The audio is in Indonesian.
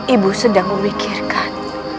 ibu sedang memikirkan